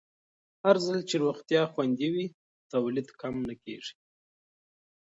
هرځل چې روغتیا خوندي وي، تولید کم نه کېږي.